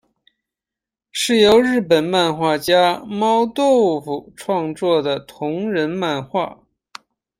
是由日本漫画家猫豆腐创作的同人漫画。